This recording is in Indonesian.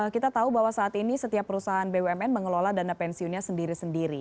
kita tahu bahwa saat ini setiap perusahaan bumn mengelola dana pensiunnya sendiri sendiri